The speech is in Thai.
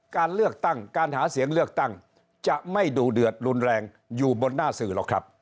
การเลือกตั้งการหาเสียงเลือกตั้งจะไม่ดูเดือดรุนแรงอยู่บนหน้าสื่อหรอกครับ